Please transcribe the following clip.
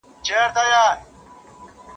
هغه د تورو چای په څښلو بوخت دی.